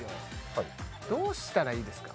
はいどうしたらいいですか？